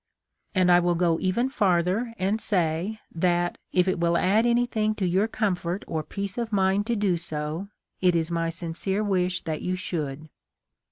And I will even go farther, and say, that if it will add anything to your comfort or peace of mind to do so, it is my sincere wish that you should.